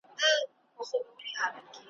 د توبې په نيت ګناه کول شيطاني دهوکه ده.